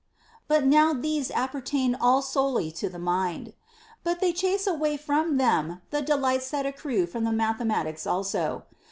But now these appertain all solely to the mind. But they chase away from them the delights that accrue from the mathematics also.